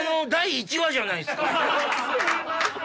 すいません。